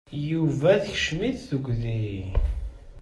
Yuba tekcem-it tegdi.